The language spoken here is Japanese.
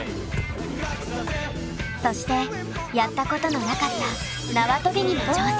そしてやったことのなかったなわとびにも挑戦。